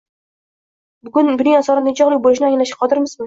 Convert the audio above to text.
buning asorati nechog‘lik bo‘lishini anglashga qodirmizmi?